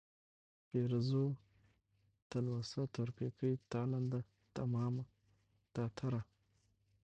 پېروزه ، تلوسه ، تورپيکۍ ، تالنده ، تمامه ، تاتره ،